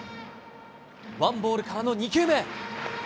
ワンボールからの２球目。